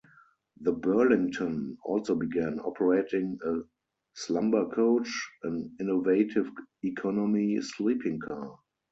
The Burlington also began operating a slumbercoach, an innovative economy sleeping car.